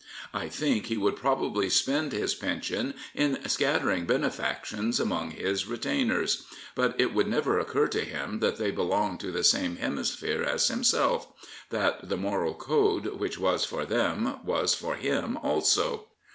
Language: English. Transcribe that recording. I think he would probably spend his pension in scattering benefactions among his re tlMXI^rs. But it would never occur to him that they belonged to the same hemisphere as himself, that the moral code which was for them was for hiJ also.